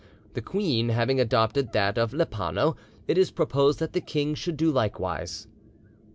The queen having adopted that of Lipano, it is proposed that the king should do likewise.